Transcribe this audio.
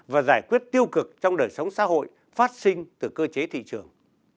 và giải quyết tiêu cực trong đời sống xã hội phát sinh từ cơ chế thị trường